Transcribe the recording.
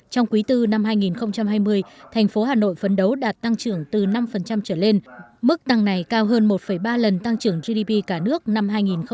trong quý bốn năm hai nghìn hai mươi thành phố hà nội phấn đấu đạt tăng trưởng từ năm trở lên mức tăng này cao hơn một ba lần tăng trưởng gdp cả nước năm hai nghìn hai mươi